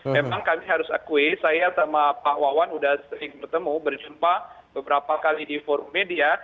memang kami harus akui saya sama pak wawan sudah sering bertemu berjumpa beberapa kali di forum media